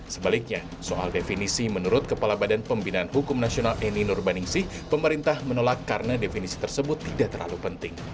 sebaliknya soal definisi menurut kepala badan pembinaan hukum nasional eni nurbaningsih pemerintah menolak karena definisi tersebut tidak terlalu penting